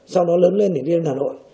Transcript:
sau đó lớn lên để đi đến hà nội